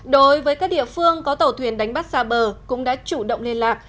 đối với các địa phương có tàu thuyền đánh bắt xa bờ cũng đã chủ động liên lạc